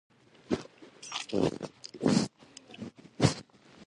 فنجي یا پوپنک یو ځانګړی ګروپ دی چې نه نبات دی نه حیوان